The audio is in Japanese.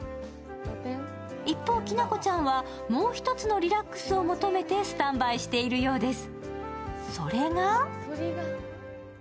一方、きなこちゃんはもう一つのリラックスを求めてスタンバイしているようです。